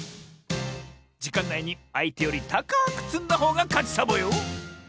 じかんないにあいてよりたかくつんだほうがかちサボよ！